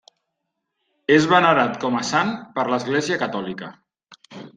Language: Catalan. És venerat com a sant per l'església Catòlica.